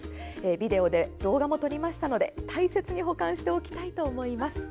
ビデオで動画も撮りましたので大切に保管しておきたいと思います。